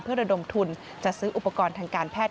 เพื่อระดมทุนจัดซื้ออุปกรณ์ทางการแพทย์